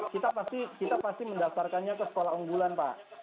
kita pasti mendaftarkannya ke sekolah unggulan pak